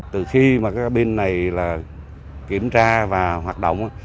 từ khi mà ca binh này là kiểm tra và hoạt động